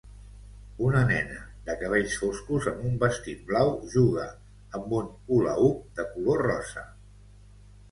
Una nena de cabells foscos amb un vestit blau juga amb un hula hoop de color rosa.